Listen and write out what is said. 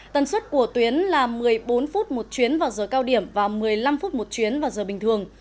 tần suất của tuyến là một mươi bốn phút một chuyến vào giờ cao điểm và một mươi năm phút một chuyến vào giờ bình thường